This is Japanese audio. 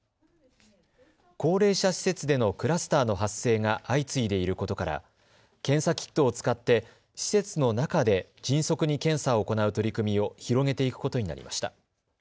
高齢者施設でのクラスターの発生が相次いでいることから検査キットを使って施設の中で迅速に検査を行う取り組みを広げていくことになりました。